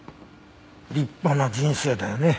立派な人生だよね。